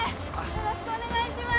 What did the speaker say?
よろしくお願いします